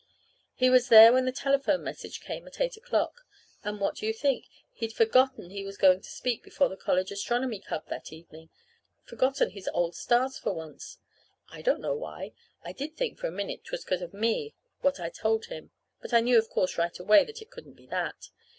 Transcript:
He was there when the telephone message came at eight o'clock. And what do you think? He'd forgotten he was going to speak before the College Astronomy Club that evening! Forgotten his old stars for once. I don't know why. I did think, for a minute, 'twas 'cause of me what I'd told him. But I knew, of course, right away that it couldn't be that.